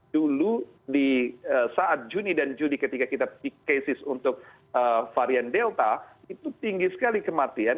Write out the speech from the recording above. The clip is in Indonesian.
dulu di saat juni dan juli ketika kita di cases untuk varian delta itu tinggi sekali kematian